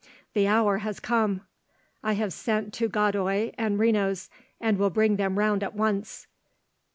The hour has come. I have sent to Godoy and Renos and will bring them round at once.